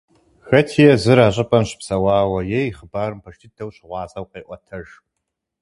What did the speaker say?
Хэти езыр а щӀыпӀэм щыпсэуауэ е и хъыбарым пэж дыдэу щыгъуазэу къеӀуэтэж.